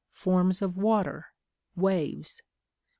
Forms of Water (Waves).